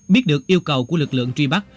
biết được yêu cầu của lực lượng truy bắt